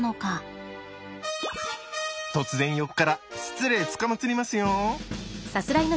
突然横から失礼つかまつりますよ。